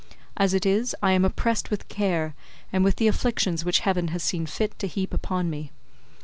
As it is, I am oppressed with care, and with the afflictions which heaven has seen fit to heap upon me.